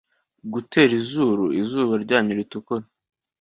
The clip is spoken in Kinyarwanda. gutera izuru izuba ryanyu ritukura